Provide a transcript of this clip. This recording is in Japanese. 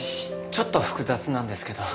ちょっと複雑なんですけど。